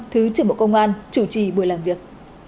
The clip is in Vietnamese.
thứ trưởng bộ công an chủ trì buổi làm việc